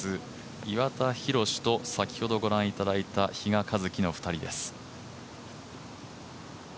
岩田寛と、先ほど御覧いただいた比嘉一貴の２人です。